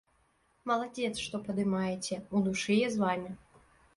Маладзец, што падымаеце, у душы я з вамі.